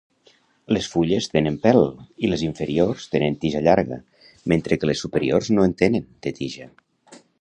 Les fulles tenen pèl, i les inferiors tenen tija llarga, mentre que les superiors no en tenen, de tija.